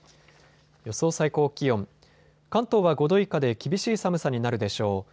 予想最高気温、関東は５度以下で厳しい寒さになるでしょう。